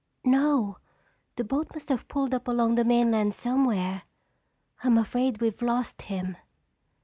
"No, the boat must have pulled up along the mainland somewhere. I'm afraid we've lost him."